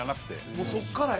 もうそこからや。